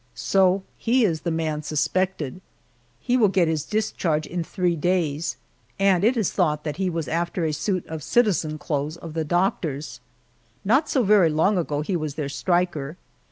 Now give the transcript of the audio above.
So he is the man suspected.. He will get his discharge in three days, and it is thought that he was after a suit of citizen clothes of the doctor's. Not so very long ago he was their striker.